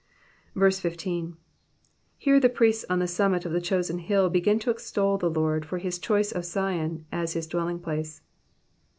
15. Here the priests ou the summit of the chosen hill begin to extol the Lord for his choice of Zion as his dwelliug place.